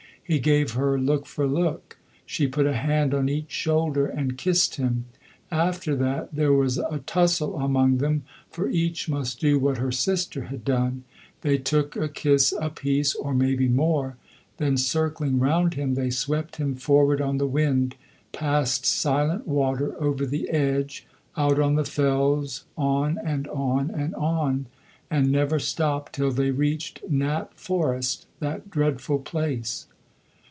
He gave her look for look. She put a hand on each shoulder and kissed him. After that there was a tussle among them, for each must do what her sister had done. They took a kiss apiece, or maybe more; then, circling round him, they swept him forward on the wind, past Silent Water, over the Edge, out on the fells, on and on and on, and never stopped till they reached Knapp Forest, that dreadful place.